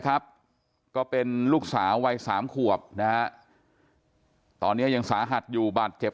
ครับก็เป็นลูกสาววัย๓ขวบนะฮะตอนนี้ยังสาหัสอยู่บาดเจ็บ